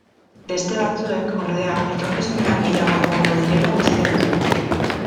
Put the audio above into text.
Beste batzuek, ordea, etorkizunean gehiago egongo direla uste dute.